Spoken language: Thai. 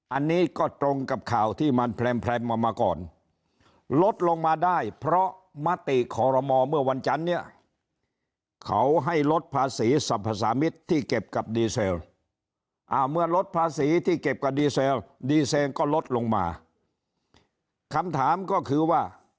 อันนี้ก็ตรงกับข่าวที่มันแพร่มมามาก่อน